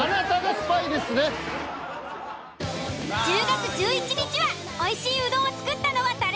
１０月１１日はおいしいうどんを作ったのは誰？